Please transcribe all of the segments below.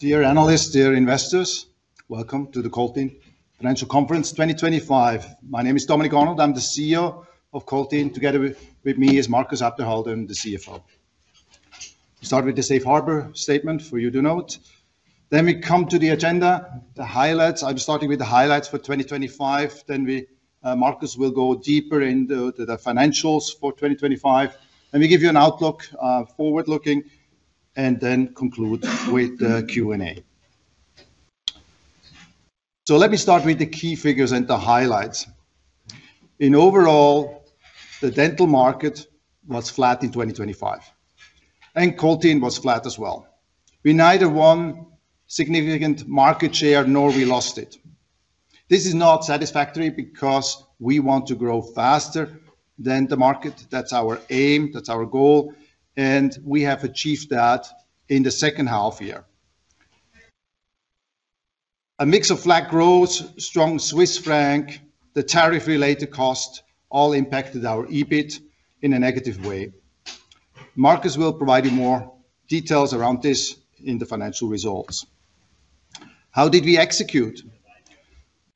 Dear analysts, dear investors, welcome to the COLTENE Financial Conference 2025. My name is Dominik Arnold. I'm the CEO of COLTENE. Together with me is Markus Abderhalden, the CFO. Start with the Safe Harbor statement for you to note. We come to the agenda, the highlights. I'm starting with the highlights for 2025, then Markus will go deeper into the financials for 2025. Let me give you an outlook, forward-looking, and then conclude with the Q&A. Let me start with the key figures and the highlights. Overall, the dental market was flat in 2025, and COLTENE was flat as well. We neither won significant market share nor we lost it. This is not satisfactory because we want to grow faster than the market. That's our aim, that's our goal, and we have achieved that in the second half year. A mix of flat growth, strong Swiss franc, the tariff-related cost all impacted our EBIT in a negative way. Markus will provide you more details around this in the financial results. How did we execute?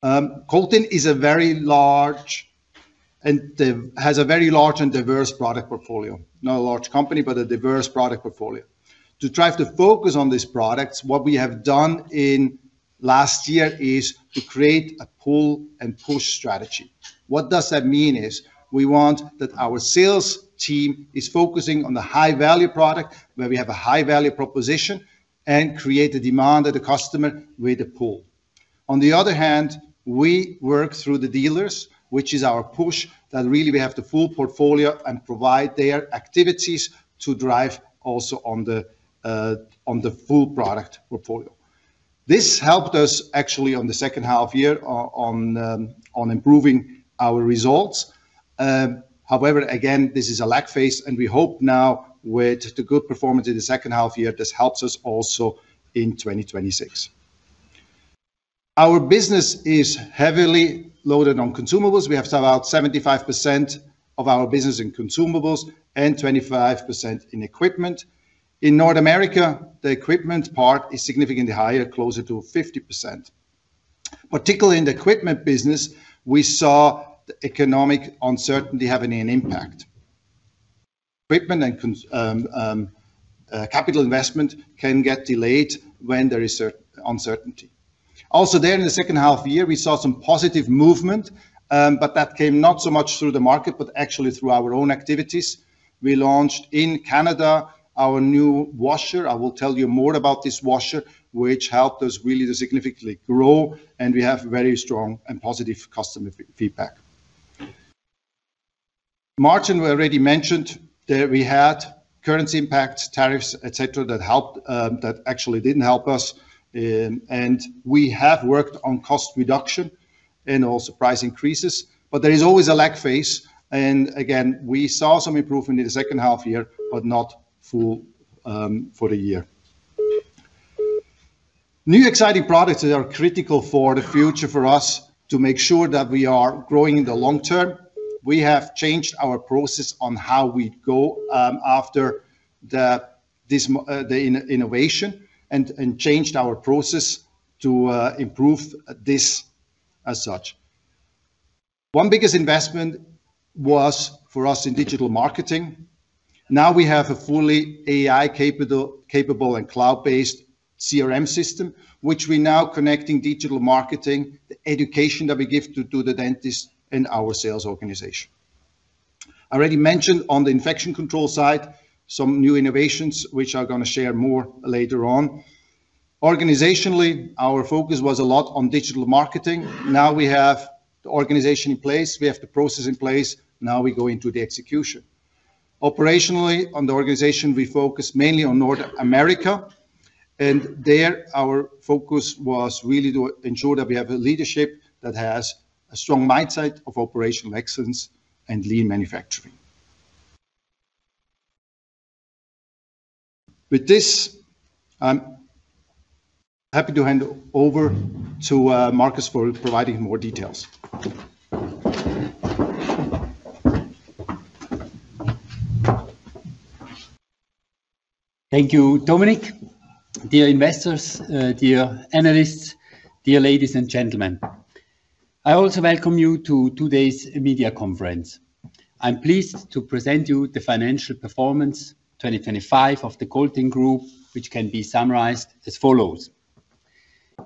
COLTENE has a very large and diverse product portfolio. Not a large company, but a diverse product portfolio. To drive the focus on these products, what we have done in last year is to create a pull and push strategy. What does that mean is we want that our sales team is focusing on the high-value product, where we have a high-value proposition and create the demand at the customer with the pull. On the other hand, we work through the dealers, which is our push, that really we have the full portfolio and provide their activities to drive also on the full product portfolio. This helped us actually on the second half year on improving our results. However, again, this is a lag phase, and we hope now with the good performance in the second half year, this helps us also in 2026. Our business is heavily loaded on consumables. We have about 75% of our business in consumables and 25% in equipment. In North America, the equipment part is significantly higher, closer to 50%. Particularly in the equipment business, we saw the economic uncertainty having an impact. Equipment and capital investment can get delayed when there is uncertainty. Also there in the second half of the year, we saw some positive movement, but that came not so much through the market, but actually through our own activities. We launched in Canada our new washer. I will tell you more about this washer, which helped us really to significantly grow, and we have very strong and positive customer feedback. Margins, we already mentioned that we had currency impacts, tariffs, et cetera, that actually didn't help us. We have worked on cost reduction and also price increases, but there is always a lag phase. We saw some improvement in the second half year, but not full for the year. New exciting products that are critical for the future for us to make sure that we are growing in the long term. We have changed our process on how we go after the innovation and changed our process to improve this as such. Our biggest investment was for us in digital marketing. Now we have a fully AI capable and cloud-based CRM system, which we now connecting digital marketing, the education that we give to the dentist and our sales organization. I already mentioned on the infection control side some new innovations which I'm gonna share more later on. Organizationally, our focus was a lot on digital marketing. Now we have the organization in place. We have the process in place. Now we go into the execution. Operationally on the organization, we focus mainly on North America, and there, our focus was really to ensure that we have a leadership that has a strong mindset of operational excellence and lean manufacturing. With this, I'm happy to hand over to Markus for providing more details. Thank you, Dominik. Dear investors, dear analysts, dear ladies and gentlemen, I also welcome you to today's media conference. I'm pleased to present you the financial performance 2025 of the COLTENE Group, which can be summarized as follows.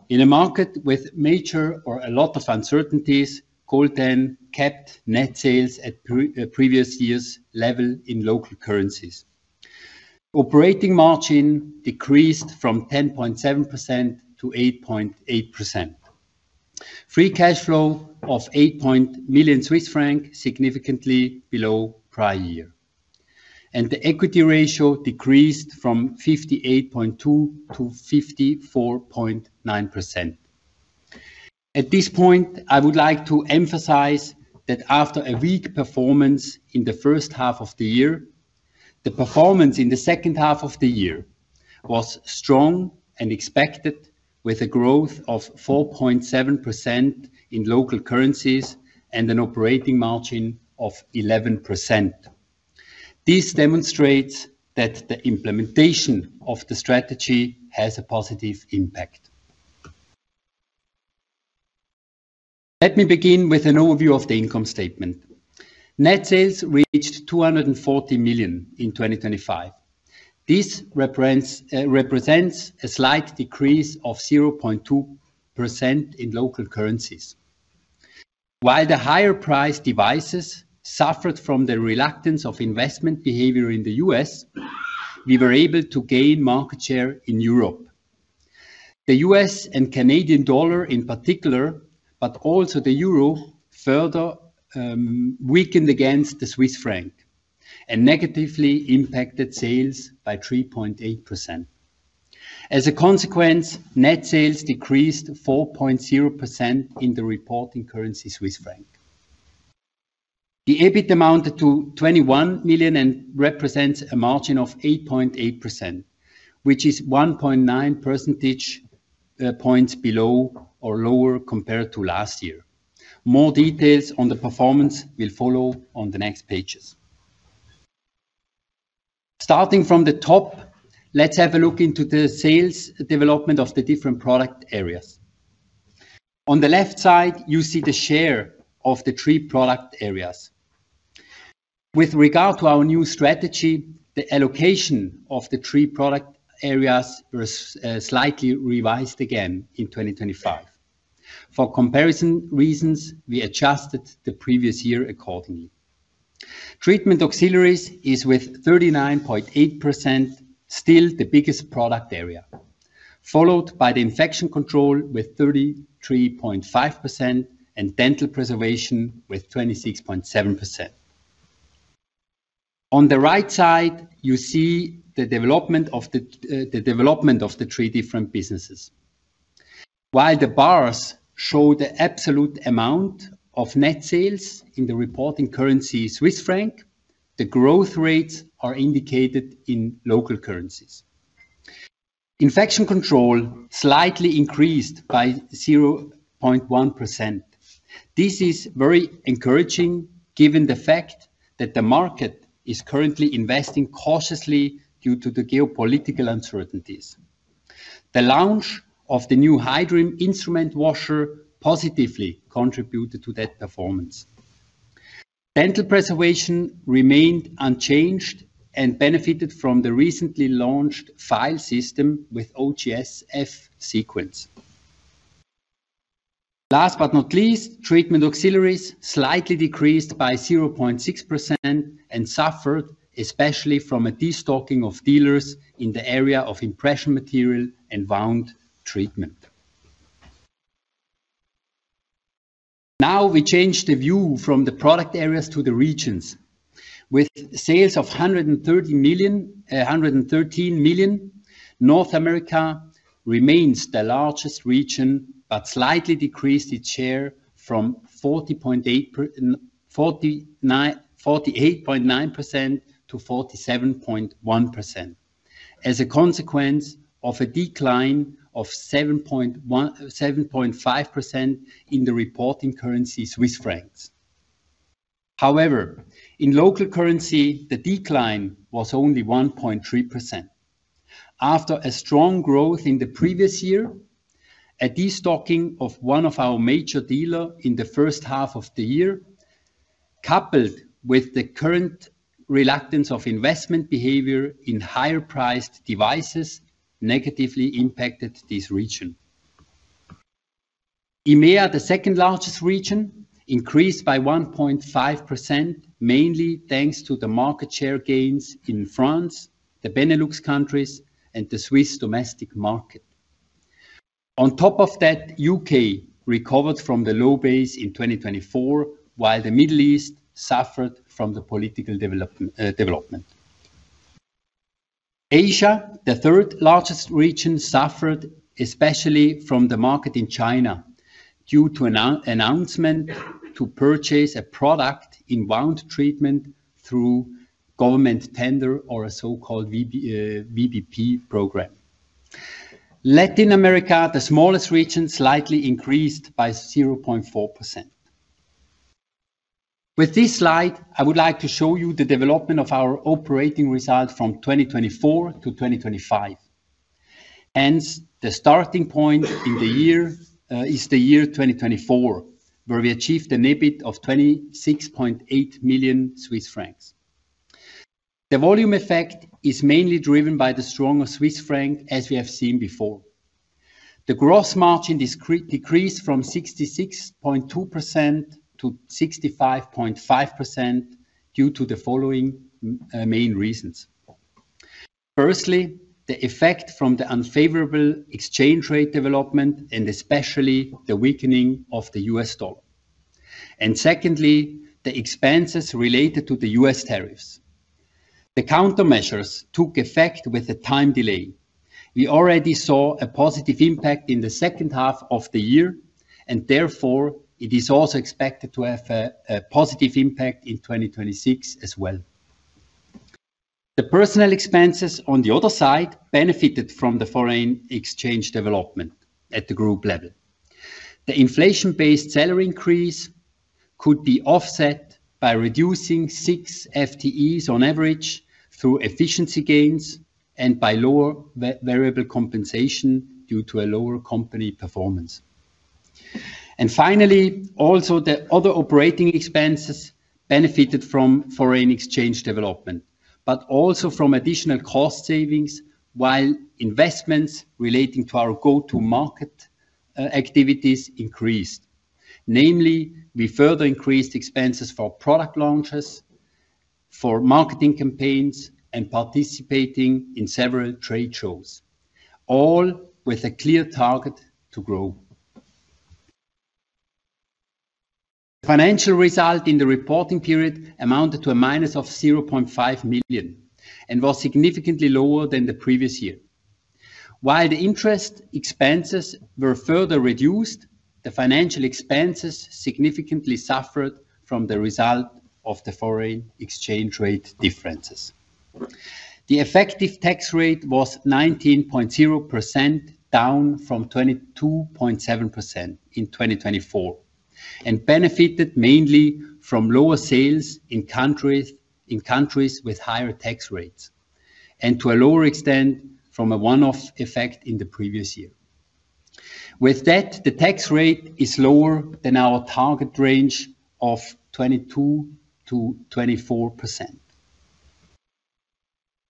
In a market with major or a lot of uncertainties, COLTENE kept net sales at previous year's level in local currencies. Operating margin decreased from 10.7% to 8.8%. Free cash flow of 8 million Swiss francs, significantly below prior year. The equity ratio decreased from 58.2% to 54.9%. At this point, I would like to emphasize that after a weak performance in the first half of the year, the performance in the second half of the year was strong and expected with a growth of 4.7% in local currencies and an operating margin of 11%. This demonstrates that the implementation of the strategy has a positive impact. Let me begin with an overview of the income statement. Net sales reached 240 million in 2025. This represents a slight decrease of 0.2% in local currencies. While the higher priced devices suffered from the reluctance of investment behavior in the U.S., we were able to gain market share in Europe. The U.S. and Canadian dollar in particular, but also the euro, further weakened against the Swiss franc and negatively impacted sales by 3.8%. As a consequence, net sales decreased 4.0% in the reporting currency Swiss franc. The EBIT amounted to 21 million and represents a margin of 8.8%, which is 1.9 percentage points below or lower compared to last year. More details on the performance will follow on the next pages. Starting from the top, let's have a look into the sales development of the different product areas. On the left side, you see the share of the three product areas. With regard to our new strategy, the allocation of the three product areas was slightly revised again in 2025. For comparison reasons, we adjusted the previous year accordingly. Treatment Auxiliaries is, with 39.8%, still the biggest product area, followed by Infection Control with 33.5% and dental preservation with 26.7%. On the right side, you see the development of the three different businesses. While the bars show the absolute amount of net sales in the reporting currency Swiss franc, the growth rates are indicated in local currencies. Infection Control slightly increased by 0.1%. This is very encouraging given the fact that the market is currently investing cautiously due to the geopolitical uncertainties. The launch of the new HYDRIM instrument washer positively contributed to that performance. Dental preservation remained unchanged and benefited from the recently launched file system with OGSF sequence. Last but not least, Treatment Auxiliaries slightly decreased by 0.6% and suffered especially from a destocking of dealers in the area of impression material and wound treatment. Now we change the view from the product areas to the regions. With sales of 113 million, North America remains the largest region, but slightly decreased its share from 48.9% to 47.1% as a consequence of a decline of 7.5% in the reporting currency Swiss francs. However, in local currency, the decline was only 1.3%. After a strong growth in the previous year, a destocking of one of our major dealers in the first half of the year, coupled with the current reluctance of investment behavior in higher priced devices, negatively impacted this region. EMEA, the second-largest region, increased by 1.5%, mainly thanks to the market share gains in France, the Benelux countries, and the Swiss domestic market. On top of that, U.K. recovered from the low base in 2024, while the Middle East suffered from the political development. Asia, the third-largest region, suffered especially from the market in China due to an announcement to purchase a product in wound treatment through government tender or a so-called VB, VBP program. Latin America, the smallest region, slightly increased by 0.4%. With this slide, I would like to show you the development of our operating results from 2024 to 2025. The starting point in the year is the year 2024, where we achieved an EBIT of 26.8 million Swiss francs. The volume effect is mainly driven by the stronger Swiss franc, as we have seen before. The gross margin decreased from 66.2% to 65.5% due to the following main reasons. Firstly, the effect from the unfavorable exchange rate development and especially the weakening of the U.S. dollar. Secondly, the expenses related to the U.S. tariffs. The countermeasures took effect with a time delay. We already saw a positive impact in the second half of the year, and therefore it is also expected to have a positive impact in 2026 as well. The personnel expenses on the other side benefited from the foreign exchange development at the group level. The inflation-based salary increase could be offset by reducing six FTEs on average through efficiency gains and by lower variable compensation due to a lower company performance. Finally, also the other operating expenses benefited from foreign exchange development, but also from additional cost savings while investments relating to our go-to-market activities increased. Namely, we further increased expenses for product launches, for marketing campaigns, and participating in several trade shows, all with a clear target to grow. Financial result in the reporting period amounted to a minus of 0.5 million and was significantly lower than the previous year. While the interest expenses were further reduced, the financial expenses significantly suffered from the result of the foreign exchange rate differences. The effective tax rate was 19.0%, down from 22.7% in 2024, and benefited mainly from lower sales in countries with higher tax rates, and to a lower extent, from a one-off effect in the previous year. With that, the tax rate is lower than our target range of 22%-24%.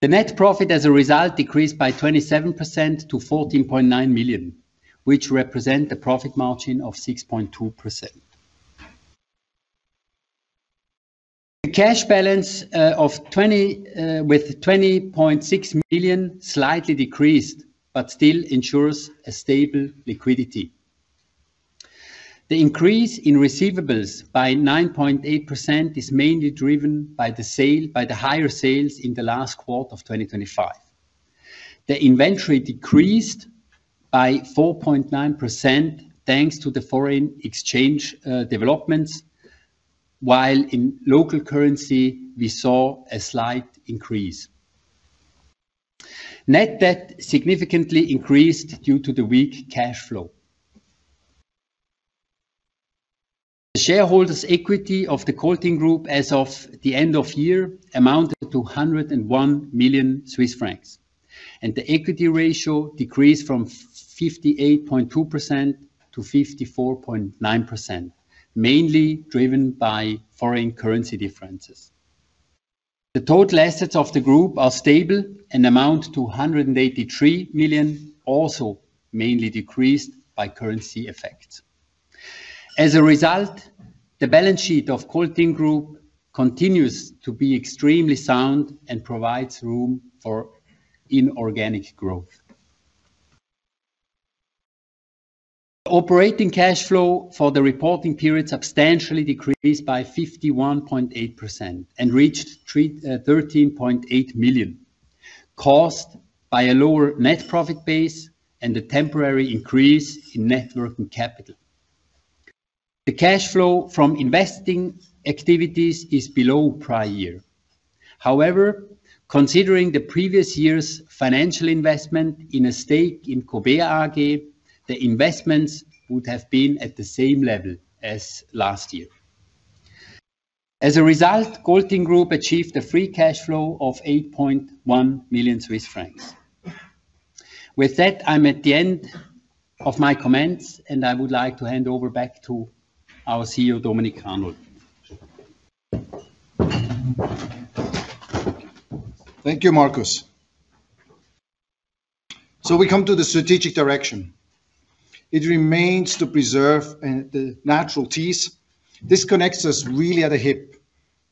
The net profit as a result decreased by 27% to 14.9 million, which represent a profit margin of 6.2%. The cash balance of 20.6 million slightly decreased, but still ensures a stable liquidity. The increase in receivables by 9.8% is mainly driven by the higher sales in the last quarter of 2025. The inventory decreased by 4.9%, thanks to the foreign exchange developments, while in local currency we saw a slight increase. Net debt significantly increased due to the weak cash flow. The shareholders' equity of the COLTENE Group as of the end of year amounted to 101 million Swiss francs, and the equity ratio decreased from 58.2% to 54.9%, mainly driven by foreign currency differences. The total assets of the group are stable and amount to 183 million, also mainly decreased by currency effects. As a result, the balance sheet of COLTENE Group continues to be extremely sound and provides room for inorganic growth. The operating cash flow for the reporting period substantially decreased by 51.8% and reached 13.8 million, caused by a lower net profit base and a temporary increase in net working capital. The cash flow from investing activities is below prior year. However, considering the previous year's financial investment in a stake in Kobea AG, the investments would have been at the same level as last year. As a result, COLTENE Group achieved a free cash flow of 8.1 million Swiss francs. With that, I'm at the end of my comments, and I would like to hand over back to our CEO, Dominik Arnold. Thank you, Markus. We come to the strategic direction. It remains to preserve the natural teeth. This connects us really at the hip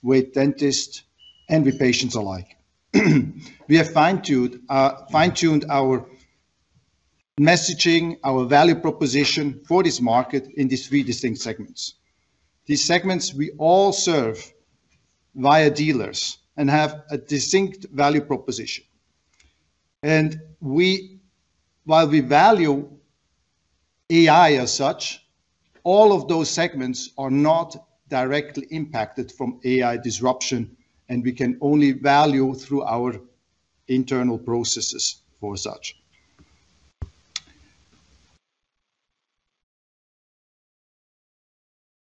with dentists and with patients alike. We have fine-tuned our messaging, our value proposition for this market in these three distinct segments. These segments we all serve via dealers and have a distinct value proposition. While we value AI as such, all of those segments are not directly impacted from AI disruption, and we can only value through our internal processes for such.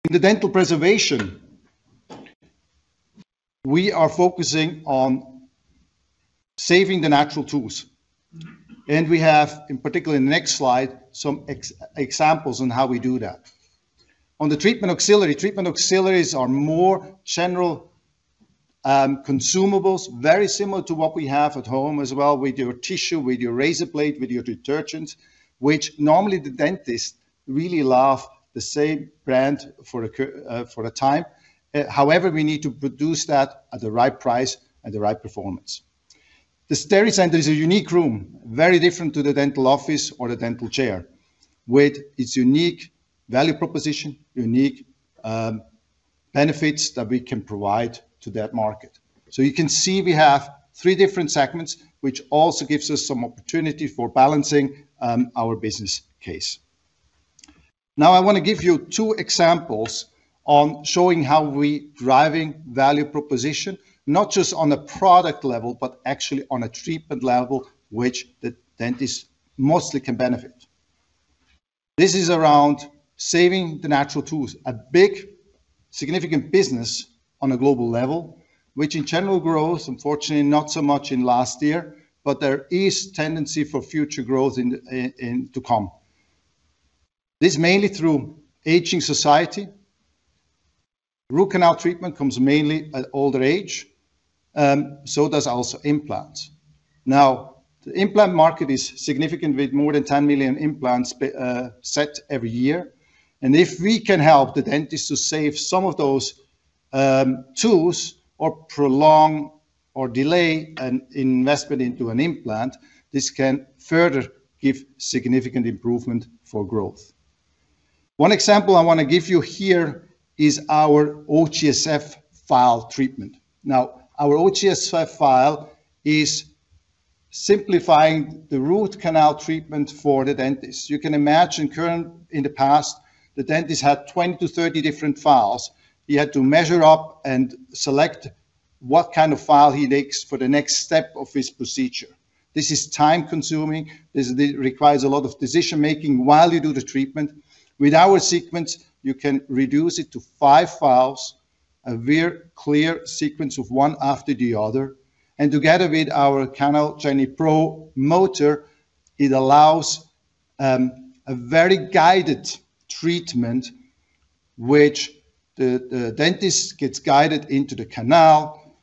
In the Dental Preservation, we are focusing on saving the natural teeth, and we have, in particular in the next slide, some examples on how we do that. On the Treatment Auxiliaries, treatment auxiliaries are more general consumables, very similar to what we have at home as well. With your tissue, with your razor blade, with your detergents, which normally the dentist really love the same brand for a time. However, we need to produce that at the right price and the right performance. The Steri-center is a unique room, very different to the dental office or the dental chair, with its unique value proposition, unique benefits that we can provide to that market. You can see we have three different segments, which also gives us some opportunity for balancing, our business case. Now, I wanna give you two examples on showing how we driving value proposition, not just on a product level, but actually on a treatment level which the dentists mostly can benefit. This is around saving the natural teeth. A big significant business on a global level, which in general grows, unfortunately not so much in last year, but there is tendency for future growth in to come. This is mainly through aging society. Root canal treatment comes mainly at older age, so does also implants. Now, the implant market is significant with more than 10 million implants set every year. If we can help the dentists to save some of those tools or prolong or delay an investment into an implant, this can further give significant improvement for growth. One example I wanna give you here is our OGSF file treatment. Now, our OGSF file is simplifying the root canal treatment for the dentist. You can imagine in the past, the dentist had 20-30 different files. He had to measure up and select what kind of file he needs for the next step of his procedure. This is time-consuming, this requires a lot of decision-making while you do the treatment. With our sequence, you can reduce it to five files, a very clear sequence of one after the other. Together with our CanalPro motor, it allows a very guided treatment which the dentist gets guided into the canal,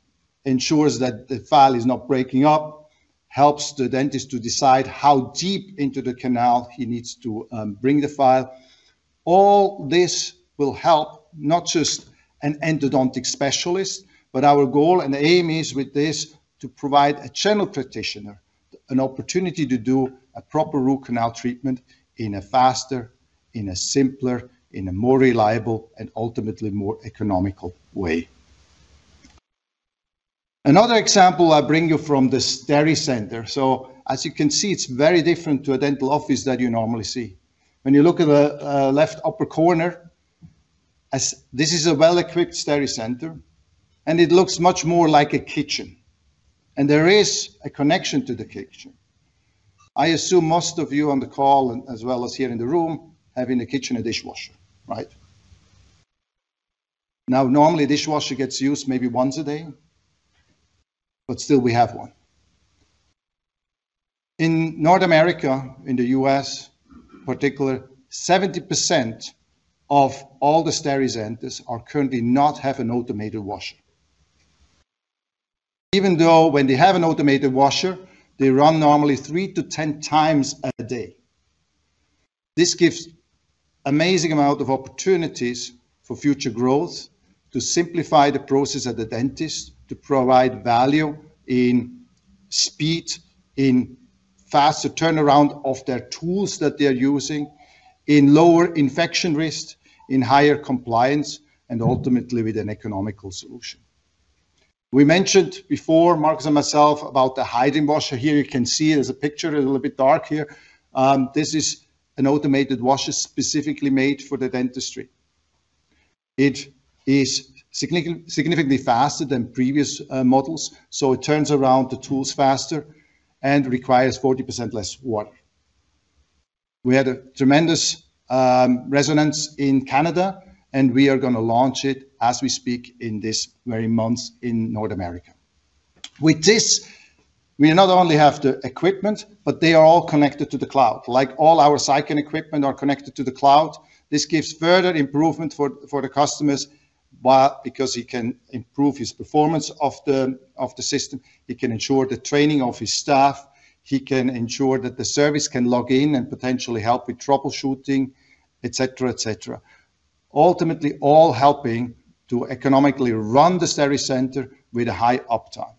ensures that the file is not breaking up, helps the dentist to decide how deep into the canal he needs to bring the file. All this will help not just an endodontic specialist, but our goal and aim is with this to provide a general practitioner an opportunity to do a proper root canal treatment in a faster, in a simpler, in a more reliable and ultimately more economical way. Another example I bring you from the Steri-center. As you can see, it's very different to a dental office that you normally see. When you look at the left upper corner, as this is a well-equipped Steri-center and it looks much more like a kitchen and there is a connection to the kitchen. I assume most of you on the call and as well as here in the room have in the kitchen a dishwasher, right? Now, normally a dishwasher gets used maybe once a day, but still we have one. In North America, in the U.S. in particular, 70% of all the Steri-centers are currently do not have an automated washer. Even though when they have an automated washer, they run normally three-10 times a day. This gives amazing amount of opportunities for future growth to simplify the process at the dentist to provide value in speed, in faster turnaround of their tools that they're using, in lower infection risk, in higher compliance, and ultimately with an economical solution. We mentioned before, Markus and myself, about the HYDRIM washer. Here you can see there's a picture, a little bit dark here. This is an automated washer specifically made for the dentistry. It is significantly faster than previous models, so it turns around the tools faster and requires 40% less water. We had a tremendous response in Canada, and we are gonna launch it as we speak in this very month in North America. With this, we not only have the equipment, but they are all connected to the cloud. Like all our SciCan equipment are connected to the cloud. This gives further improvement for the customers, but because he can improve his performance of the system, he can ensure the training of his staff, he can ensure that the service can log in and potentially help with troubleshooting, et cetera, et cetera. Ultimately, all helping to economically run the Steri-center with a high uptime.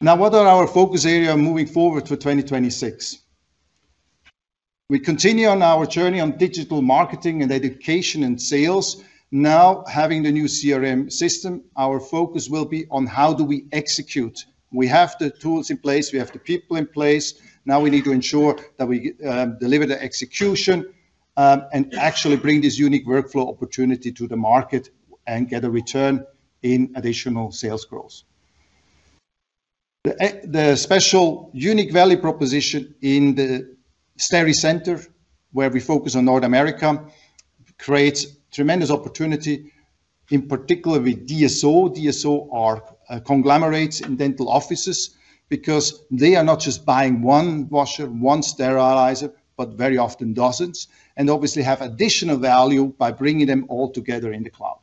Now, what are our focus area moving forward for 2026? We continue on our journey on digital marketing and education and sales. Now, having the new CRM system, our focus will be on how do we execute. We have the tools in place. We have the people in place. Now we need to ensure that we deliver the execution, and actually bring this unique workflow opportunity to the market and get a return in additional sales growth. The special unique value proposition in the Steri-center, where we focus on North America, creates tremendous opportunity, in particular with DSO. DSO are conglomerates in dental offices because they are not just buying one washer, one sterilizer, but very often dozens, and obviously have additional value by bringing them all together in the cloud.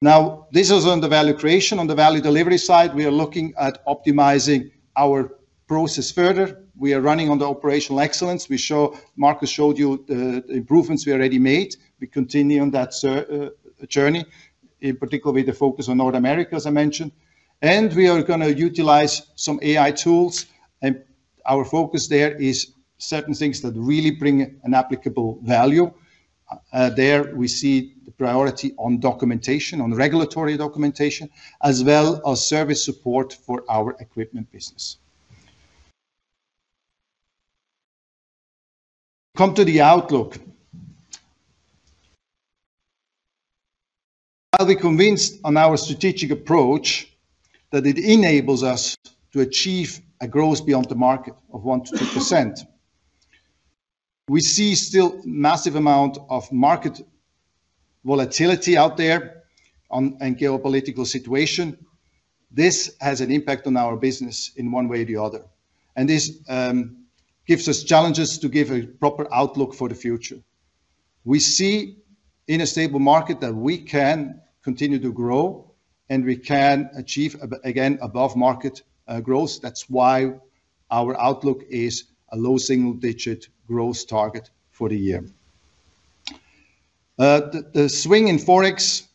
Now, this is on the value creation. On the value delivery side, we are looking at optimizing our process further. We are running on the operational excellence. Markus showed you the improvements we already made. We continue on that journey, in particular with the focus on North America, as I mentioned. We are gonna utilize some AI tools, and our focus there is certain things that really bring an applicable value. There we see the priority on documentation, on regulatory documentation, as well as service support for our equipment business. Come to the outlook. While we're convinced on our strategic approach, that it enables us to achieve a growth beyond the market of 1%-2%, we see still massive amount of market volatility out there on and geopolitical situation. This has an impact on our business in one way or the other. This gives us challenges to give a proper outlook for the future. We see in a stable market that we can continue to grow, and we can achieve again above market growth. That's why our outlook is a low single-digit growth target for the year. The swing in Forex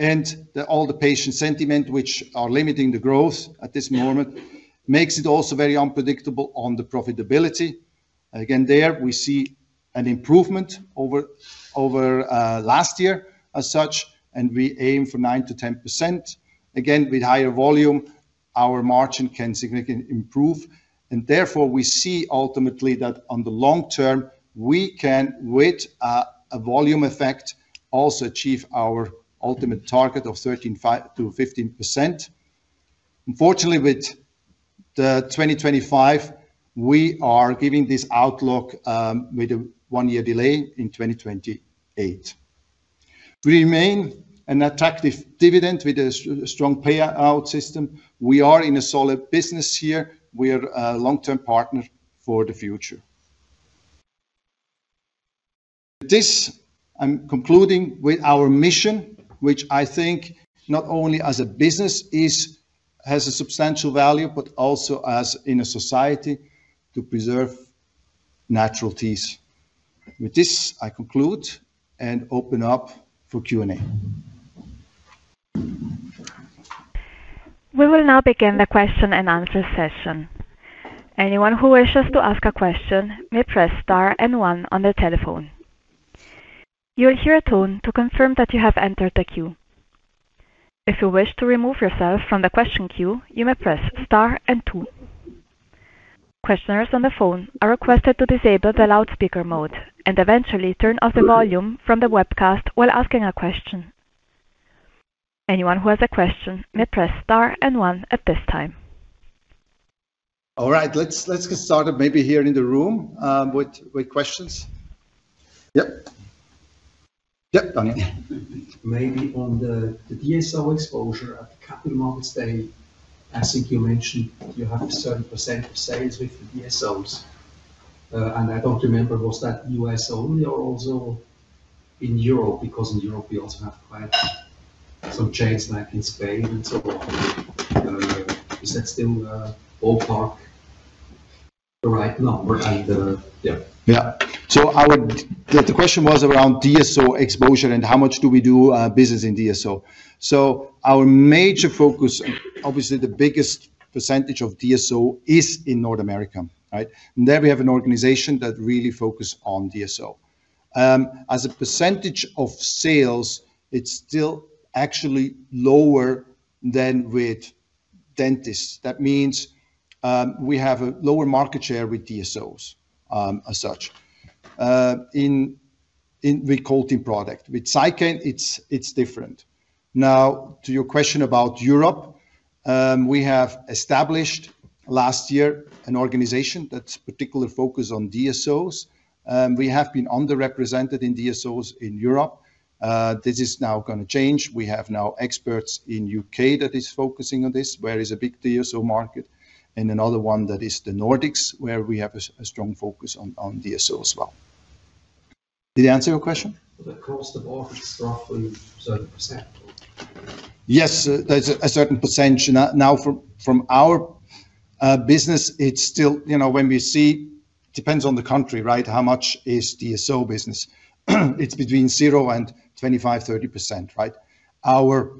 and all the patient sentiment, which are limiting the growth at this moment, makes it also very unpredictable on the profitability. Again, there we see an improvement over last year as such, and we aim for 9%-10%. Again, with higher volume, our margin can significantly improve. Therefore, we see ultimately that on the long term, we can, with a volume effect, also achieve our ultimate target of 13.5%-15%. Unfortunately, with the 2025, we are giving this outlook with a one-year delay in 2028. We remain an attractive dividend with a strong payout system. We are in a solid business here. We are a long-term partner for the future. With this, I'm concluding with our mission, which I think not only as a business has a substantial value, but also as in a society to preserve natural teeth. With this, I conclude and open up for Q&A. We will now begin the question and answer session. Anyone who wishes to ask a question may press star and one on their telephone. You will hear a tone to confirm that you have entered the queue. If you wish to remove yourself from the question queue, you may press star and two. Questioners on the phone are requested to disable the loudspeaker mode and eventually turn off the volume from the webcast while asking a question. Anyone who has a question may press star and one at this time. All right. Let's get started maybe here in the room with questions. Yep, Daniel. Maybe on the DSO exposure at the Capital Markets Day, I think you mentioned you have a certain percent of sales with the DSOs. I don't remember, was that U.S. only or also in Europe? Because in Europe, we also have quite some chains like in Spain and so on. Is that still ballpark the right number? Yeah. The question was around DSO exposure and how much do we do business in DSO. Our major focus, obviously the biggest percentage of DSO is in North America, right? There we have an organization that really focus on DSO. As a percentage of sales, it's still actually lower than with dentists. That means, we have a lower market share with DSOs, as such, with quality product. With SciCan, it's different. Now, to your question about Europe, we have established last year an organization that's particularly focused on DSOs. We have been underrepresented in DSOs in Europe. This is now gonna change. We have now experts in U.K. that is focusing on this, where is a big DSO market, and another one that is the Nordics, where we have a strong focus on DSO as well. Did I answer your question? Across the board, it's roughly a certain percent. Yes, there's a certain percent. Now from our business, it's still, you know, depends on the country, right? How much is DSO business? It's between zero% and 25%-30%, right? Our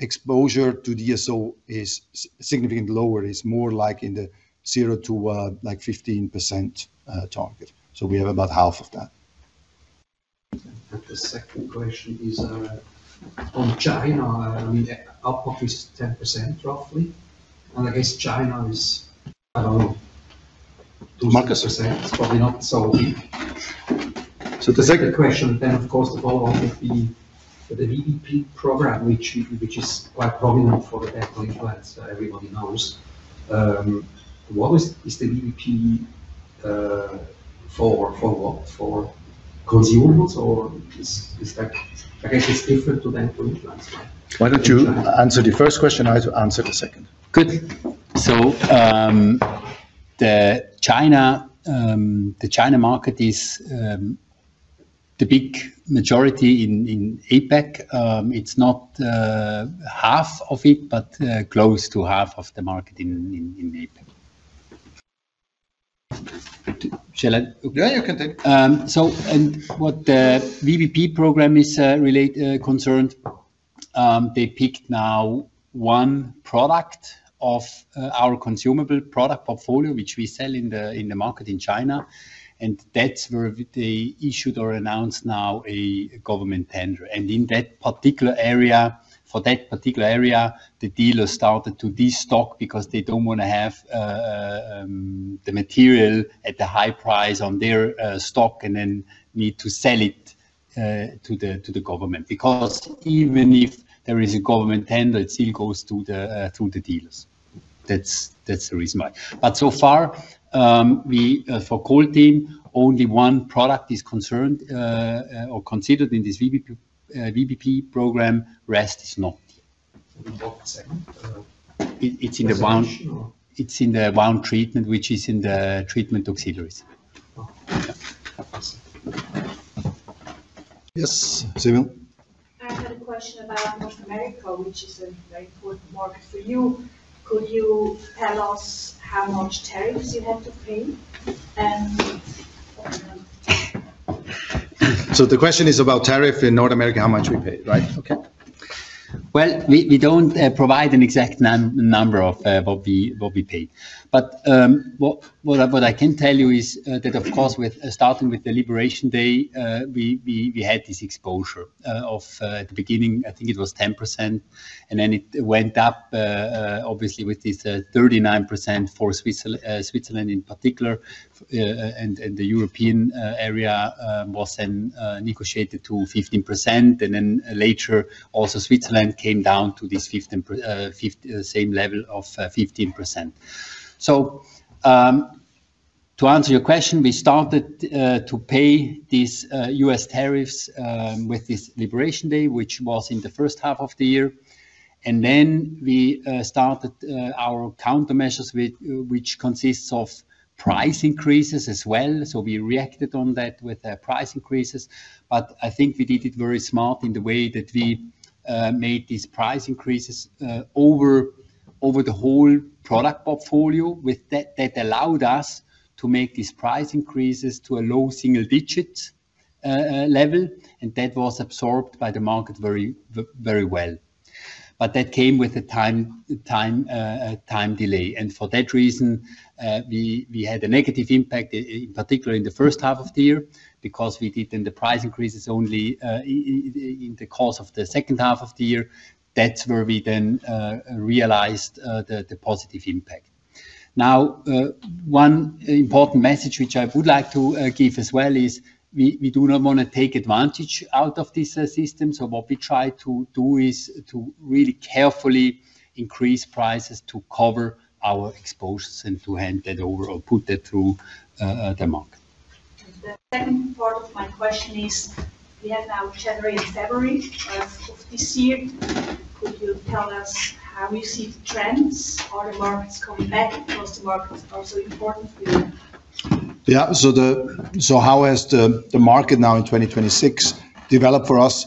exposure to DSO is significantly lower. It's more like in the zero% to, like 15% target. We have about half of that. The second question is on China. I mean, output is 10% roughly. I guess China is. I don't know. Markus 2%. Probably not. The second question then, of course, the follow on would be the VBP program, which is quite prominent for the dental implants, everybody knows. What is the VBP for what? For consumables or is that. I guess it's different to dental implants, right? Why don't you answer the first question? I answer the second. Good. The China market is the big majority in APAC. It's not half of it, but close to half of the market in APAC. Shall I? Yeah, you can take. What the VBP program is, they picked now one product of our consumable product portfolio, which we sell in the market in China, and that's where they issued or announced now a government tender. In that particular area, the dealers started to destock because they don't wanna have the material at the high price on their stock and then need to sell it to the government. Because even if there is a government tender, it still goes to the dealers. That's the reason why. So far, we for COLTENE, only one product is concerned or considered in this VBP program. Rest is not. In what segment? It's in the wound treatment, which is in the Treatment Auxiliaries. Oh. Yeah. Thanks. Yes, Simone. I had a question about North America, which is a very good market for you. Could you tell us how much tariffs you have to pay and? The question is about tariff in North America, how much we pay, right? Okay. Well, we don't provide an exact number of what we pay. What I can tell you is that of course starting with the Liberation Day, we had this exposure of at the beginning, I think it was 10%, and then it went up obviously with this 39% for Switzerland in particular. The European area was then negotiated to 15%. Then later, also Switzerland came down to this same level of 15%. To answer your question, we started to pay these U.S. tariffs with this Liberation Day, which was in the first half of the year. We started our countermeasures which consists of price increases as well. We reacted on that with price increases. I think we did it very smart in the way that we made these price increases over the whole product portfolio. With that allowed us to make these price increases to a low single digits level, and that was absorbed by the market very well. That came with a time delay. For that reason, we had a negative impact in particular in the first half of the year because we did then the price increases only in the course of the second half of the year. That's where we then realized the positive impact. Now, one important message which I would like to give as well is we do not wanna take advantage out of this system. What we try to do is to really carefully increase prices to cover our exposures and to hand that over or put that through the market. The second part of my question is, we have now January and February of this year. Could you tell us how you see the trends? Are the markets coming back? Because the market is also important for you. How has the market now in 2026 developed for us?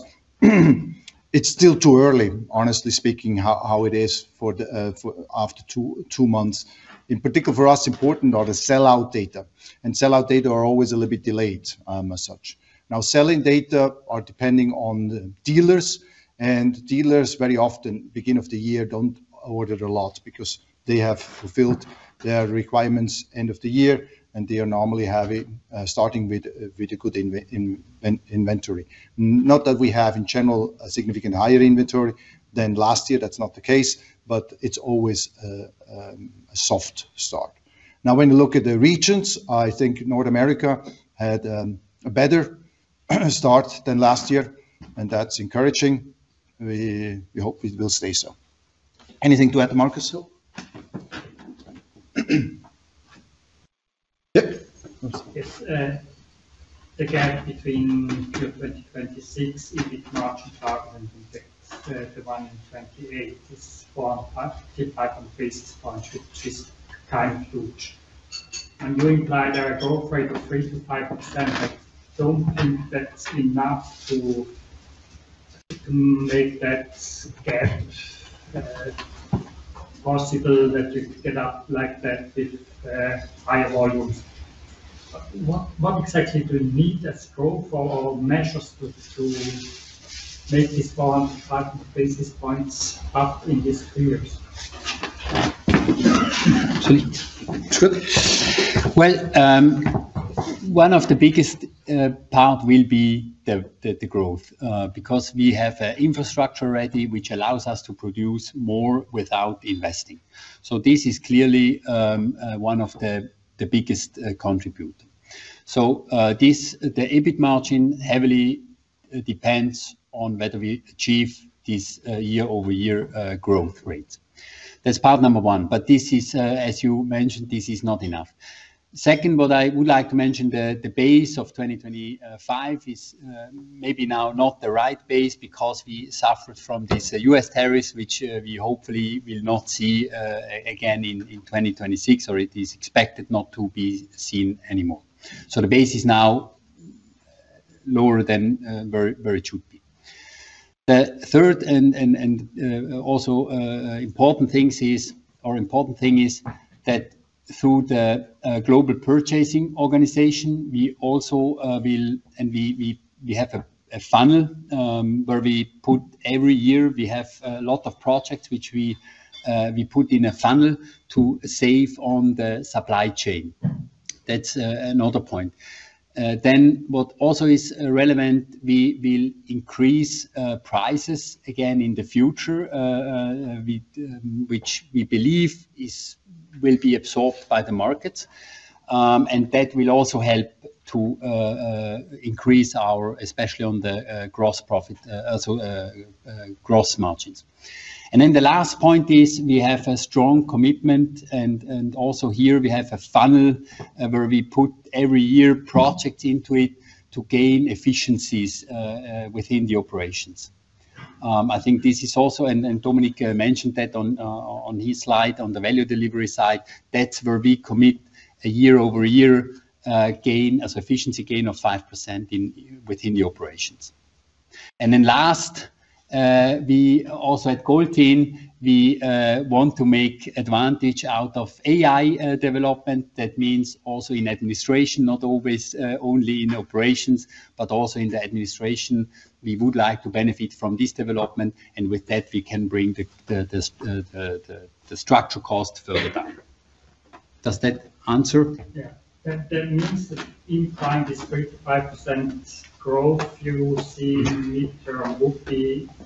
It's still too early, honestly speaking, how it is after two months. In particular for us, important are the sell-out data, and sell-out data are always a little bit delayed, as such. Sell-in data are depending on the dealers, and dealers very often, beginning of the year, don't order a lot because they have fulfilled their requirements end of the year, and they are normally having starting with a good inventory. Not that we have, in general, a significantly higher inventory than last year. That's not the case, but it's always a soft start. Now, when you look at the regions, I think North America had a better start than last year, and that's encouraging. We hope it will stay so. Anything to add, Markus, still? Yep. Yes. The gap between your 2026 EBIT margin target and the one in 2028 is 455 basis points, which is kind of huge. You implied a growth rate of 3%-5%. I don't think that's enough to make that gap possible that you get up like that with higher volumes. What exactly do you need as growth or measures to make this 455 basis points up in these three years? Well, one of the biggest parts will be the growth because we have infrastructure ready which allows us to produce more without investing. This is clearly one of the biggest contributors. The EBIT margin heavily depends on whether we achieve this year-over-year growth rate. That's part number one, but this is, as you mentioned, this is not enough. Second, what I would like to mention, the base of 2025 is maybe now not the right base because we suffered from these U.S. tariffs, which we hopefully will not see again in 2026, or it is expected not to be seen anymore. The base is now lower than where it should be. The third and also important thing is that through the global purchasing organization, we have a funnel where we put every year we have a lot of projects which we put in a funnel to save on the supply chain. That's another point. What also is relevant, we will increase prices again in the future, which we believe will be absorbed by the market. That will also help to increase our, especially on the gross profit so gross margins. The last point is we have a strong commitment, and also here we have a funnel where we put every year project into it to gain efficiencies within the operations. I think this is also, and Dominik mentioned that on his slide on the value delivery side, that's where we commit a year-over-year gain as efficiency gain of 5% within the operations. Last, we also at COLTENE we want to take advantage out of AI development. That means also in administration, not always only in operations, but also in the administration. We would like to benefit from this development, and with that, we can bring the structural cost further down. Does that answer? Yeah. That means that in time, this 35% growth you see in the midterm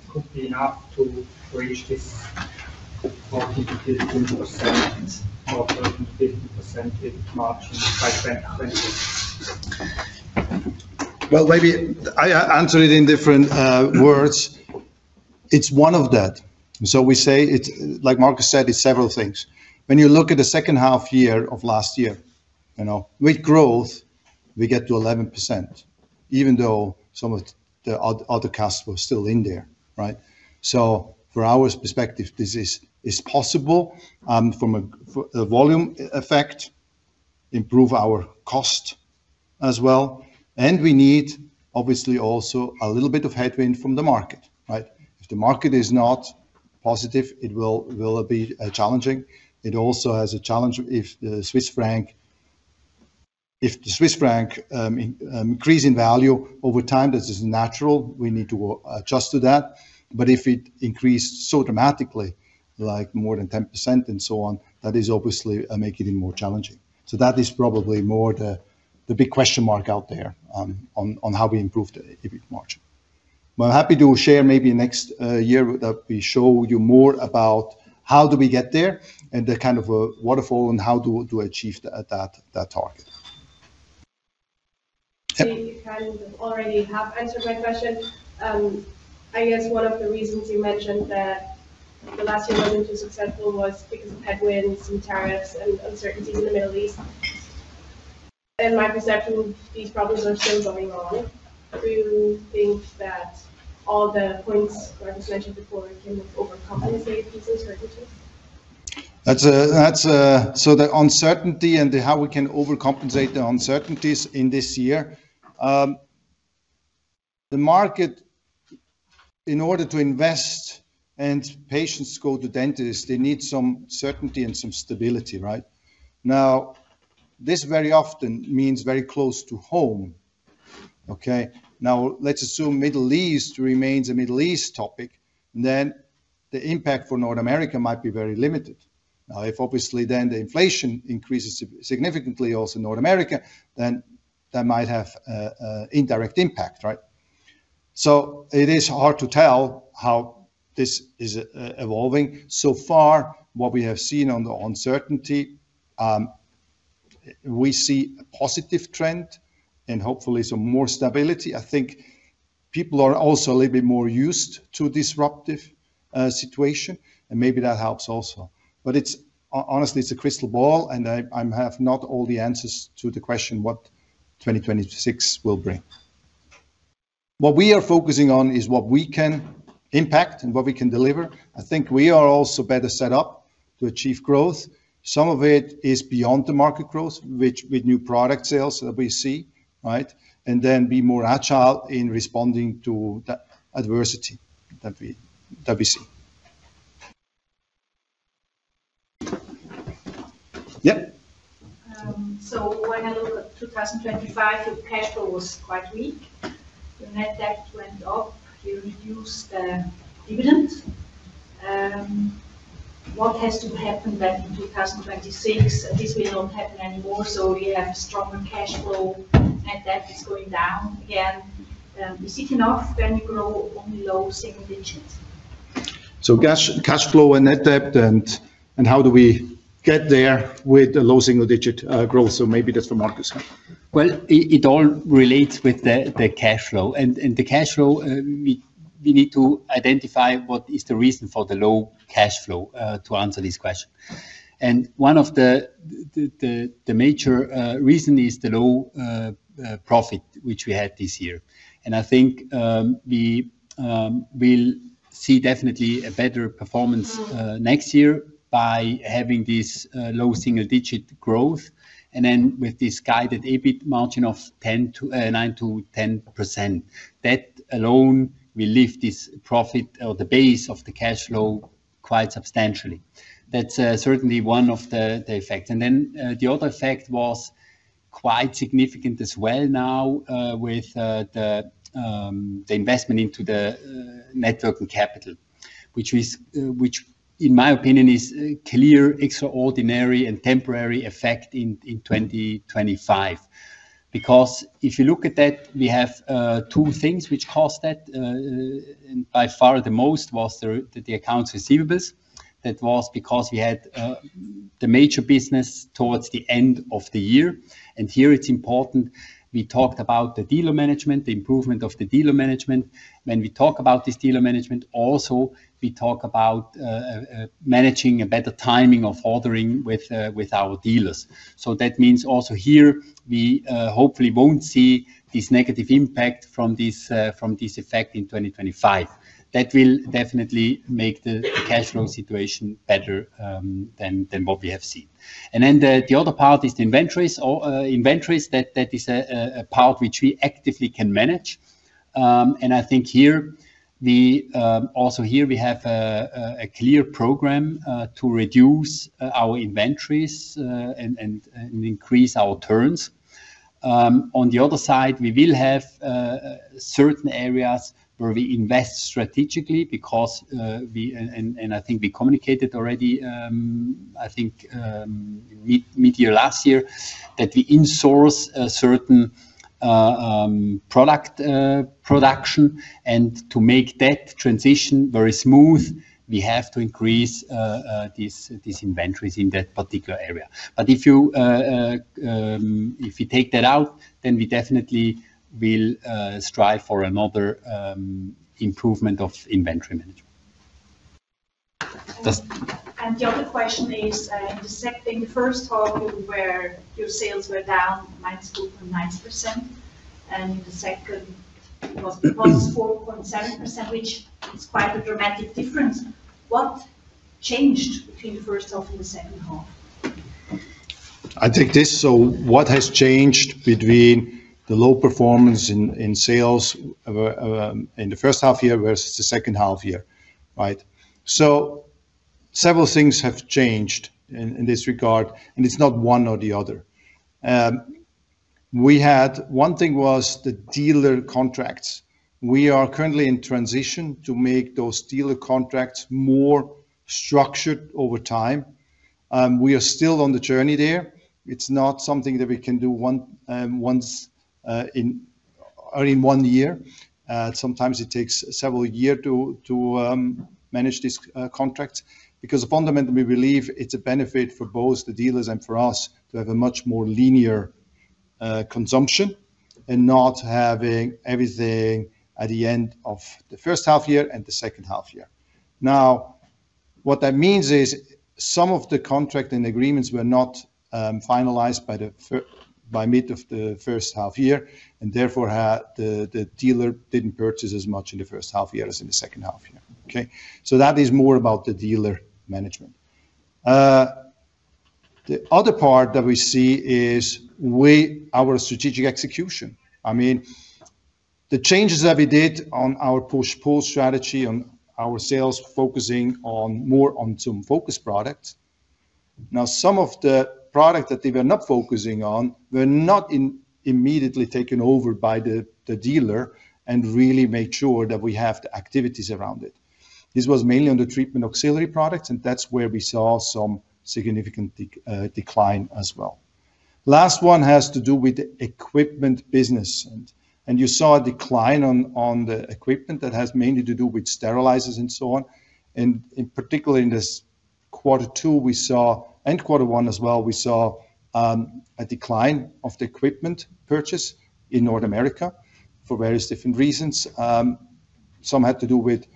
could be enough to reach this 40%-50% in margin by then, 2026. Well, maybe I answer it in different words. It's one of that. Like Markus said, it's several things. When you look at the second half year of last year, you know, with growth, we get to 11%, even though some of the other costs were still in there, right? From our perspective, this is possible from a volume effect, improve our cost as well, and we need obviously also a little bit of headwind from the market, right? If the market is not positive, it will be challenging. It also has a challenge if the Swiss franc increase in value over time, this is natural. We need to adjust to that. If it increased so dramatically, like more than 10% and so on, that is obviously make it even more challenging. That is probably more the big question mark out there, on how we improve the EBIT margin. I'm happy to share maybe next year that we show you more about how do we get there and the kind of a waterfall and how to achieve that target. You kind of already have answered my question. I guess one of the reasons you mentioned that the last year wasn't too successful was because of headwinds and tariffs and uncertainties in the Middle East. In my perception, these problems are still going on. Do you think that all the points that was mentioned before can overcompensate the uncertainties? The uncertainty and how we can overcompensate the uncertainties in this year. The market, in order to invest and patients go to dentists, they need some certainty and some stability, right? Now, this very often means very close to home. Now, let's assume Middle East remains a Middle East topic, then the impact for North America might be very limited. Now, if obviously then the inflation increases significantly also in North America, then that might have an indirect impact, right? It is hard to tell how this is evolving. So far, what we have seen on the uncertainty, we see a positive trend and hopefully some more stability. I think people are also a little bit more used to disruptive situation, and maybe that helps also. Honestly, it's a crystal ball, and I have not all the answers to the question what 2026 will bring. What we are focusing on is what we can impact and what we can deliver. I think we are also better set up to achieve growth. Some of it is beyond the market growth, which with new product sales that we see, right? Then be more agile in responding to the adversity that we see. Yep. When I look at 2025, your cash flow was quite weak. Your net debt went up. You reduced dividend. What has to happen then in 2026? This will not happen anymore. We have stronger cash flow. Net debt is going down again. Is it enough when you grow only low single digits%? Cash, cash flow and net debt and how do we get there with low single-digit growth? Maybe that's for Markus. Well, it all relates with the cash flow. The cash flow we need to identify what is the reason for the low cash flow to answer this question. One of the major reason is the low profit which we had this year. I think we will see definitely a better performance next year by having this low single digit growth. With this guided EBIT margin of 9%-10%, that alone will lift this profit or the base of the cash flow quite substantially. That's certainly one of the effects. The other effect was quite significant as well now with the investment into the net working capital. Which in my opinion is a clear, extraordinary and temporary effect in 2025. Because if you look at that, we have two things which caused that. And by far the most was the accounts receivables. That was because we had the major business towards the end of the year. Here it's important, we talked about the dealer management, the improvement of the dealer management. When we talk about this dealer management also, we talk about managing a better timing of ordering with our dealers. That means also here we hopefully won't see this negative impact from this effect in 2025. That will definitely make the cash flow situation better than what we have seen. The other part is the inventories. That is a part which we actively can manage. I think here we also here we have a clear program to reduce our inventories and increase our turns. On the other side, we will have certain areas where we invest strategically because we. I think we communicated already. I think mid-year last year that we insource a certain product production. To make that transition very smooth, we have to increase these inventories in that particular area. If you take that out, then we definitely will strive for another improvement of inventory management. The other question is, in the first half where your sales were down -4.9%, and in the second it was +4.7%, which is quite a dramatic difference. What changed between the first half and the second half? I take this. What has changed between the low performance in sales in the first half year versus the second half year, right? Several things have changed in this regard, and it's not one or the other. One thing was the dealer contracts. We are currently in transition to make those dealer contracts more structured over time. We are still on the journey there. It's not something that we can do once in one year. Sometimes it takes several years to manage these contracts. Because fundamentally, we believe it's a benefit for both the dealers and for us to have a much more linear consumption and not having everything at the end of the first half year and the second half year. Now, what that means is some of the contract and agreements were not finalized by mid of the first half year, and therefore the dealer didn't purchase as much in the first half year as in the second half year. Okay? That is more about the dealer management. The other part that we see is our strategic execution. I mean, the changes that we did on our push-pull strategy, on our sales focusing on more on some focused products. Now, some of the product that they were not focusing on were not immediately taken over by the dealer and really made sure that we have the activities around it. This was mainly on the Treatment Auxiliaries products, and that's where we saw some significant decline as well. Last one has to do with equipment business. You saw a decline on the equipment that has mainly to do with sterilizers and so on. In particular in this quarter two and quarter one as well, we saw a decline of the equipment purchase in North America for various different reasons. Some had to do with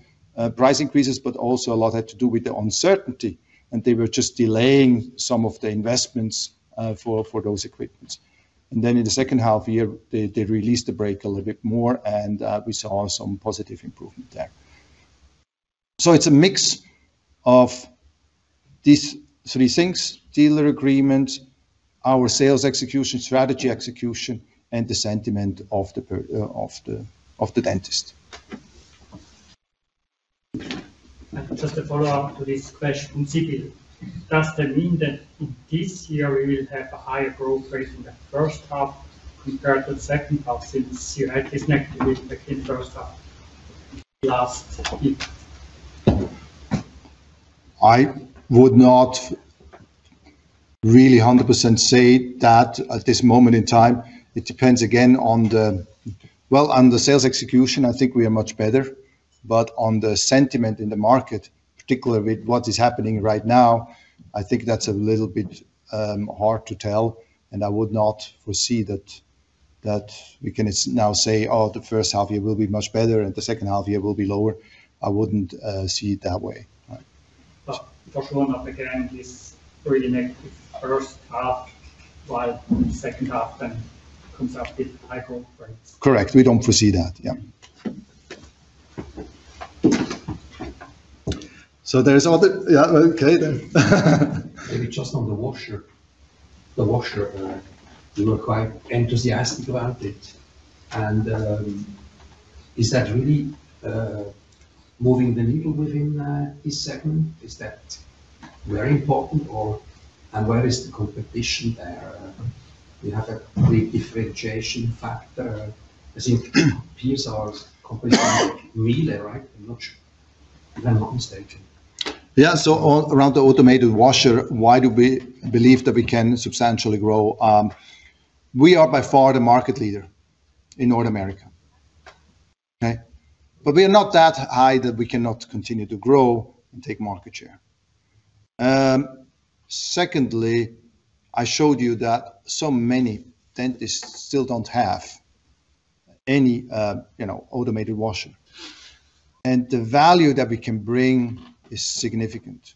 price increases, but also a lot had to do with the uncertainty, and they were just delaying some of the investments for those equipments. Then in the second half year, they released the brake a little bit more and we saw some positive improvement there. It's a mix of these three things, dealer agreement, our sales execution, strategy execution, and the sentiment of the dentist. Just a follow-up to this question. Sybil, does that mean that in this year we will have a higher growth rate in the first half compared to the second half since here it is negative in the first half last year? I would not really 100% say that at this moment in time. It depends again on the sales execution, I think we are much better. On the sentiment in the market, particularly with what is happening right now, I think that's a little bit hard to tell. I would not foresee that we can now say, "Oh, the first half year will be much better and the second half year will be lower." I wouldn't see it that way. Right. for sure not again this really negative first half, while second half then comes up with high growth rates. Correct. We don't foresee that. Yeah. Okay then. Maybe just on the washer. The washer, you were quite enthusiastic about it, and is that really moving the needle within this segment? Is that very important or. Where is the competition there? We have a big differentiation factor. I think peers are competing with Miele, right? I'm not sure. If I'm not mistaken. Around the automated washer, why do we believe that we can substantially grow? We are by far the market leader in North America. Okay? We are not that high that we cannot continue to grow and take market share. Secondly, I showed you that so many dentists still don't have any automated washer, and the value that we can bring is significant.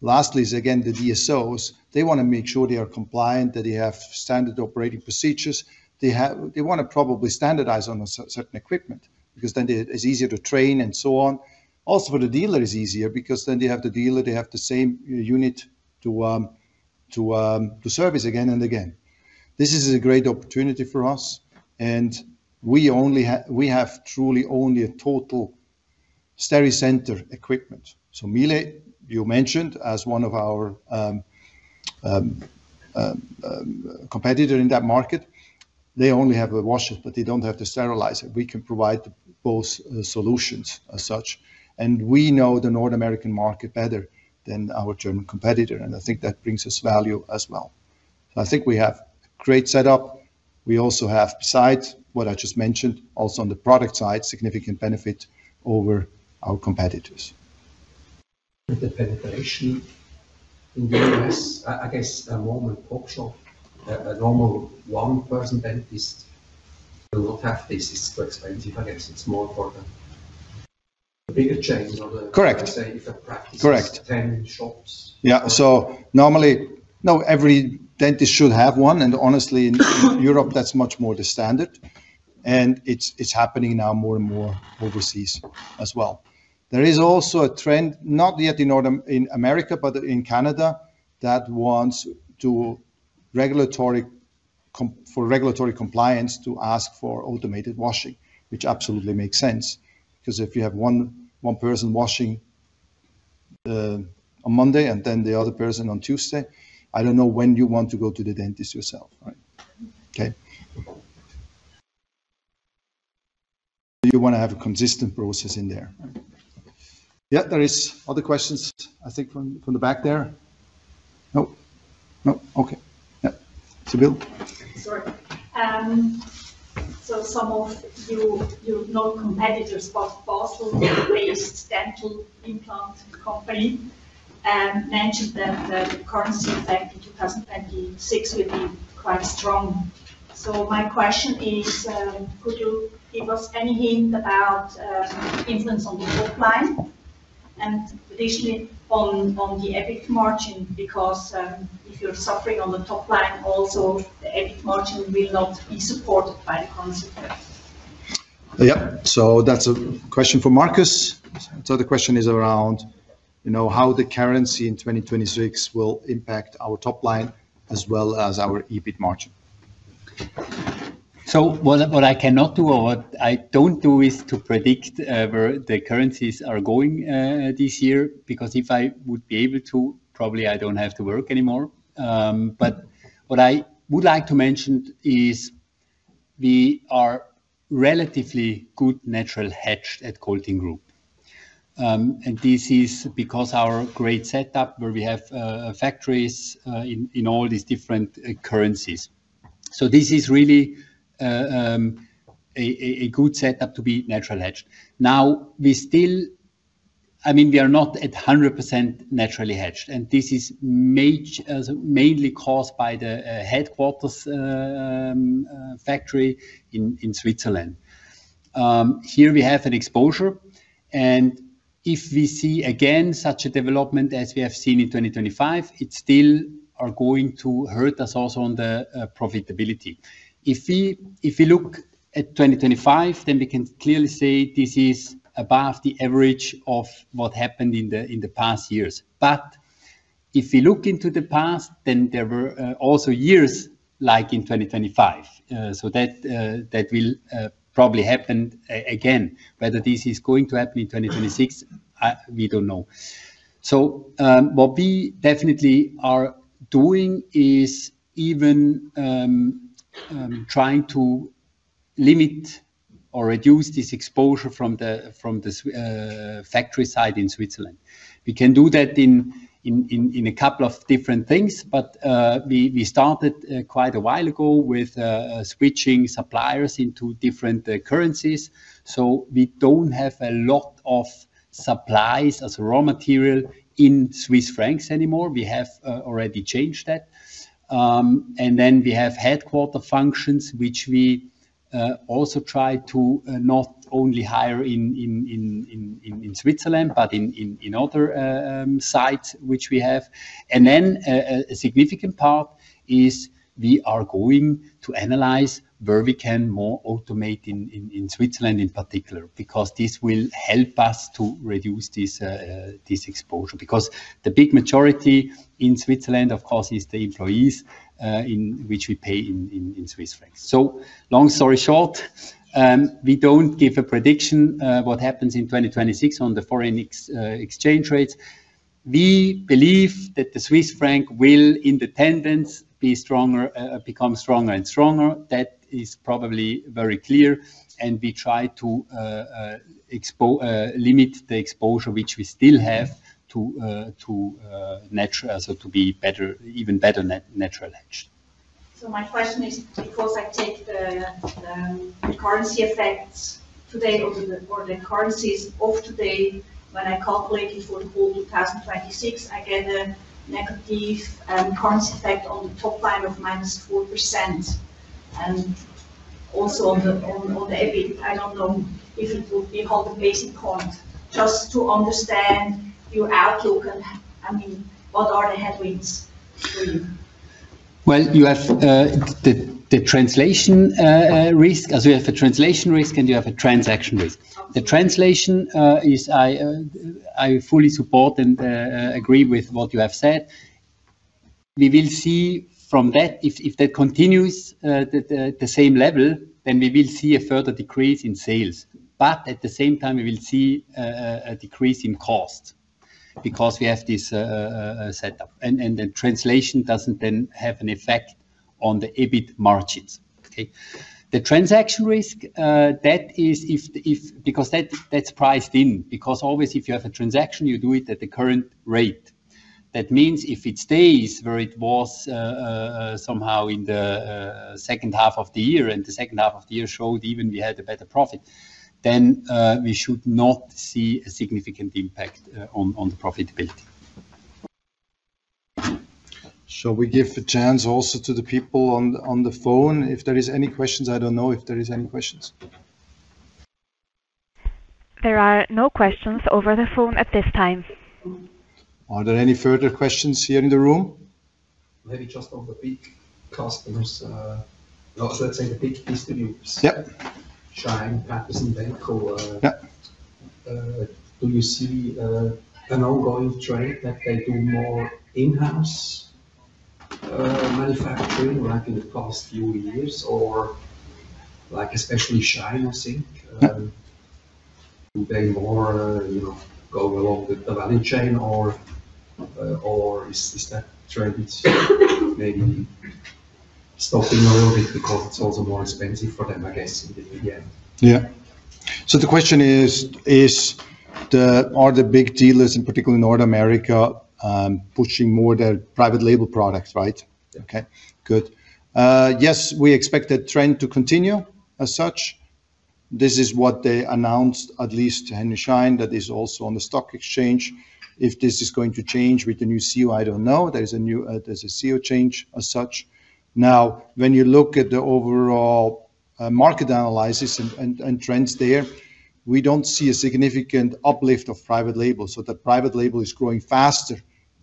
Lastly is again, the DSOs. They wanna make sure they are compliant, that they have standard operating procedures. They wanna probably standardize on certain equipment because then it's easier to train and so on. Also, for the dealer, it's easier because then they have the dealer, they have the same unit to service again and again. This is a great opportunity for us, and we have truly only a total Steri-center equipment. Miele, you mentioned as one of our competitor in that market, they only have the washers, but they don't have the sterilizer. We can provide both solutions as such, and we know the North American market better than our German competitor, and I think that brings us value as well. I think we have great setup. We also have, besides what I just mentioned, also on the product side, significant benefit over our competitors. With the penetration in the U.S., I guess a normal workshop, a normal one-person dentist will not have this. It's too expensive. I guess it's more for the bigger chains or the Correct. Let's say if a practice. Correct. 10 shops. Yeah. Normally, no, every dentist should have one, and honestly, in Europe, that's much more the standard, and it's happening now more and more overseas as well. There is also a trend, not yet in America, but in Canada that wants for regulatory compliance to ask for automated washing, which absolutely makes sense. 'Cause if you have one person washing on Monday and then the other person on Tuesday, I don't know when you want to go to the dentist yourself, right? Okay. You wanna have a consistent process in there. Yeah. There is other questions, I think, from the back there. No? No. Okay. Yeah. Sybil? Sorry. Some of you know, competitors, Basel-based dental implant company, mentioned that the currency effect in 2026 will be quite strong. My question is, could you give us any hint about some influence on the top line and additionally on the EBIT margin? Because if you're suffering on the top line, also the EBIT margin will not be supported by the concept. Yeah. That's a question for Markus. The question is around, you know, how the currency in 2026 will impact our top line as well as our EBIT margin. What I cannot do or what I don't do is to predict where the currencies are going this year. Because if I would be able to, probably I don't have to work anymore. What I would like to mention is we are relatively good natural hedge at COLTENE Group. This is because our great setup where we have factories in all these different currencies. This is really a good setup to be natural hedge. Now, I mean, we are not at 100% naturally hedged, and this is mainly caused by the headquarters factory in Switzerland. Here we have an exposure, and if we see again such a development as we have seen in 2025, it still are going to hurt us also on the profitability. If we look at 2025, then we can clearly say this is above the average of what happened in the past years. If we look into the past, then there were also years like in 2025. That will probably happen again. Whether this is going to happen in 2026, we don't know. What we definitely are doing is even trying to limit or reduce this exposure from the factory site in Switzerland. We can do that in a couple of different things, but we started quite a while ago with switching suppliers into different currencies. So we don't have a lot of supplies as raw material in Swiss francs anymore. We have already changed that. We have headquarters functions which we also try to not only hire in Switzerland, but in other sites which we have. A significant part is we are going to analyze where we can more automate in Switzerland in particular, because this will help us to reduce this exposure. Because the big majority in Switzerland, of course, is the employees in which we pay in Swiss francs. Long story short, we don't give a prediction what happens in 2026 on the foreign exchange rates. We believe that the Swiss franc will in the tendency be stronger, become stronger and stronger. That is probably very clear. We try to limit the exposure which we still have, so to be better, even better natural hedge. My question is, because I take the currency effects today or the currencies of today, when I calculate it for the full 2026, I get a negative currency effect on the top line of -4%. Also on the EBIT, I don't know if it will be called the basis point. Just to understand your outlook and, I mean, what are the headwinds for you? Well, you have the translation risk. You have a translation risk, and you have a transaction risk. The translation is I fully support and agree with what you have said. We will see from that, if that continues the same level, then we will see a further decrease in sales. At the same time, we will see a decrease in cost because we have this setup. The translation doesn't then have an effect on the EBIT margins. Okay. The transaction risk that is because that's priced in, because always if you have a transaction, you do it at the current rate. That means if it stays where it was, somehow in the second half of the year, and the second half of the year showed even we had a better profit, then we should not see a significant impact on the profitability. Shall we give a chance also to the people on the phone? If there is any questions, I don't know if there is any questions. There are no questions over the phone at this time. Are there any further questions here in the room? Maybe just on the big customers, or should I say the big distributors. Yep. Henry Schein, Patterson Companies, Benco Dental. Yeah. Do you see an ongoing trend that they do more in-house manufacturing like in the past few years? Like especially Henry Schein, I think. Do they more, you know, go along with the value chain or is that trend maybe stopping a little bit because it's also more expensive for them, I guess, in the end? Yeah. The question is, are the big dealers, in particular in North America, pushing more their private label products, right? Yeah. Okay, good. Yes, we expect that trend to continue as such. This is what they announced, at least Henry Schein, that is also on the stock exchange. If this is going to change with the new CEO, I don't know. There's a CEO change as such. Now, when you look at the overall market analysis and trends there, we don't see a significant uplift of private label. The private label is growing faster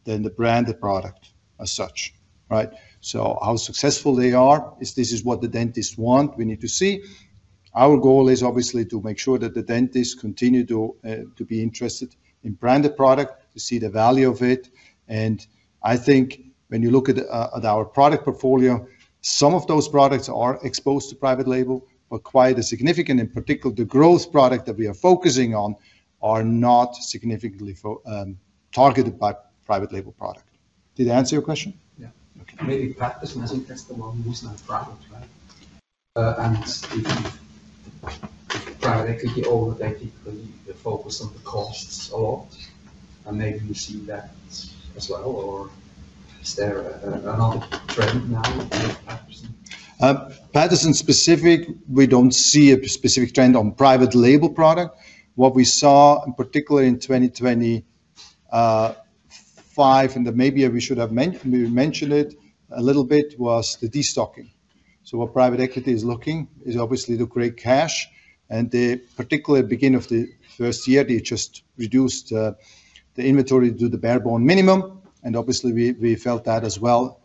than the branded product as such, right? How successful they are, this is what the dentists want, we need to see. Our goal is obviously to make sure that the dentists continue to be interested in branded product, to see the value of it. I think when you look at our product portfolio, some of those products are exposed to private label, but quite a significant, in particular, the growth product that we are focusing on are not significantly targeted by private label product. Did I answer your question? Yeah. Okay. Maybe practice and I think that's the one who's not private, right? If private equity or the equity, they focus on the costs a lot, and maybe we see that as well, or is there another trend now with Patterson? Patterson-specific, we don't see a specific trend on private label product. What we saw, in particular in 2025, and maybe we should have mentioned it a little bit, was the destocking. What private equity is looking is obviously to create cash. They, particularly at the beginning of the first year, just reduced the inventory to the bare bone minimum. Obviously, we felt that as well.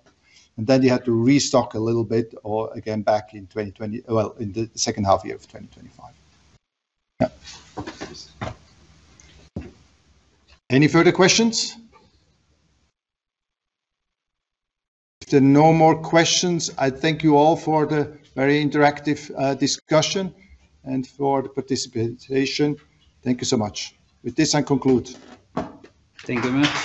Then they had to restock a little bit or again back in 2025. In the second half year of 2025. Any further questions? If there are no more questions, I thank you all for the very interactive discussion and for the participation. Thank you so much. With this, I conclude. Thank you very much.